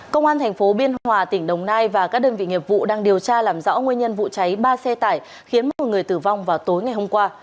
công an tp biên hòa tỉnh đồng nai và các đơn vị nghiệp vụ đang điều tra làm rõ nguyên nhân vụ cháy ba xe tải khiến một người tử vong vào tối ngày hôm qua